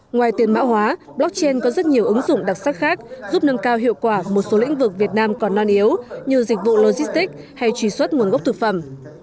ngoài tiền mã hóa blockchain có rất nhiều ứng dụng đặc sắc khác giúp nâng cao hiệu quả một số lĩnh vực việt nam còn non yếu như dịch vụ logistics hay truy xuất nguồn gốc thực phẩm